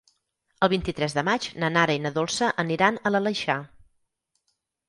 El vint-i-tres de maig na Nara i na Dolça aniran a l'Aleixar.